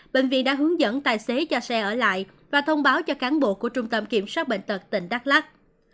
bệnh viện đã hướng dẫn tài xế cho xe ở lại và thông báo cho cán bộ của trung tâm kiểm soát bệnh tật tỉnh đắk lắc